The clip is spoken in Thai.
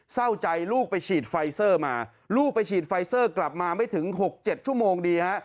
เศร้าใจลูกไปฉีดไฟเซอร์มาลูกไปฉีดไฟเซอร์กลับมาไม่ถึง๖๗ชั่วโมงดีฮะ